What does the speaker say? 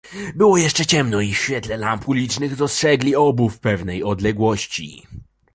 "Było jeszcze ciemno i w świetle lamp ulicznych dostrzegli obu w pewnej odległości."